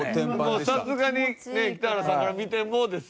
さすがにね北原さんから見てもですよね。